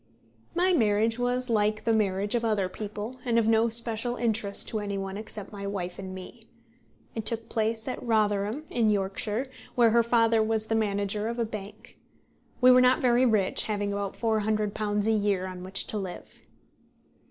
My marriage was like the marriage of other people, and of no special interest to any one except my wife and me. It took place at Rotherham in Yorkshire, where her father was the manager of a bank. We were not very rich, having about £400 a year on which to live.